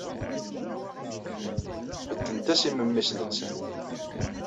Beddent-as i memmi-s nettat.